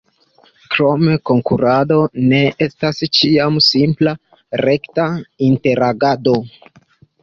Krome, konkurado ne estas ĉiam simpla, rekta, interagado.